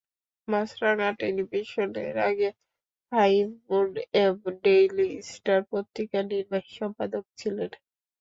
মাছরাঙা টেলিভিশনের আগে Fahim Munaim Daily star পত্রিকার নির্বাহী সম্পাদক ছিলেন।